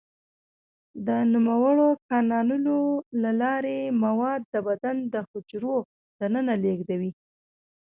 د نوموړو کانالونو له لارې مواد د بدن د حجرو دننه لیږدوي.